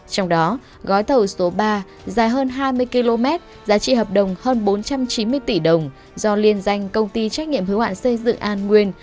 trong đó gói thầu số ba dài hơn hai mươi km giá trị hợp đồng hơn bốn trăm chín mươi tỷ đồng do liên danh công ty trách nhiệm hữu hạn xây dựng an nguyên